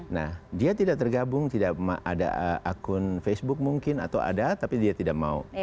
nah dia tidak tergabung tidak ada akun facebook mungkin atau ada tapi dia tidak mau